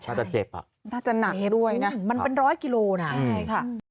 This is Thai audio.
ถ้าจะเจ็บอ่ะน่าจะหนักด้วยนะมันเป็นร้อยกิโลนะใช่ค่ะ